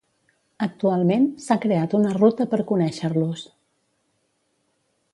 "Actualment, s'ha creat una ruta per conéixer-los"